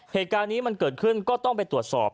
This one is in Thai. เหตุการณ์นี้มันเกิดขึ้นก็ต้องไปตรวจสอบ